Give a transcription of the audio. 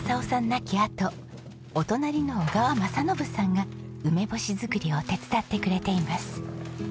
亡きあとお隣の小川正信さんが梅干し作りを手伝ってくれています。